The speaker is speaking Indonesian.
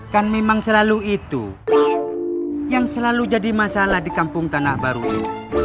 kan memang selalu itu yang selalu jadi masalah di kampung tanah baru itu